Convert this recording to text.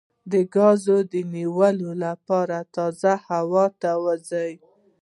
د ګاز د نیولو لپاره تازه هوا ته ووځئ